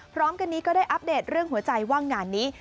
พร้อมกันนี้ก็ได้อัปเดตเรื่องหัวใจว่างานนี้